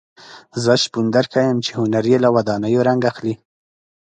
زه شپون درښیم چې هنر یې له ودانیو رنګ اخلي.